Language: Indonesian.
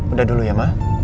udah dulu ya ma